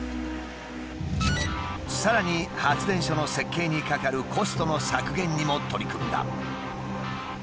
さらに発電所の設計にかかるコストの削減にも取り組んだ。